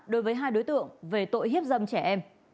đối với hai đối tượng về tội hiếp dâm trẻ em